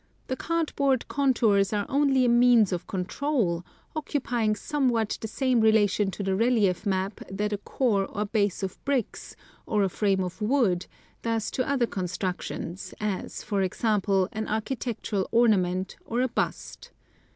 The card board contours are only a means of control, occupying somewhat the same relation to the relief map that a core or base of bricks, or a frame of wood, does to other con structions as, for example, an architectural ornament or a bust.